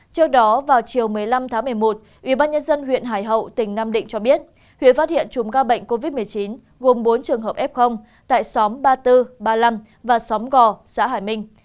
trước đó vào chiều một mươi năm tháng một mươi một ubnd huyện hải hậu tỉnh nam định cho biết huyện phát hiện chùm ca bệnh covid một mươi chín gồm bốn trường hợp f tại xóm ba mươi bốn ba mươi năm và xóm gò xã hải minh